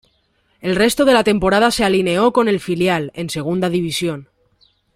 El resto de la temporada se alineó con el filial, en Segunda División.